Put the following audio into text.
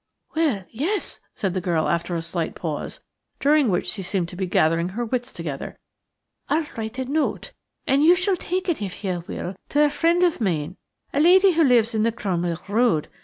"Well, yes," said the girl, after a slight pause, during which she seemed to be gathering her wits together; "I'll write a note, and you shall take it, if you will, to a friend of mine–a lady who lives in the Cromwell Road.